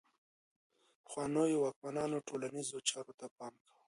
پخوانيو واکمنانو ټولنيزو چارو ته پام کاوه.